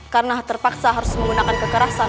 karena terpaksa harus menggunakan kekerasan